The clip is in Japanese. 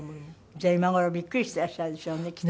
じゃあ今頃ビックリしてらっしゃるでしょうねきっとね。